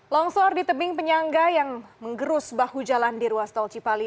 longsor di tebing penyangga yang menggerus bahu jalan di ruas tol cipali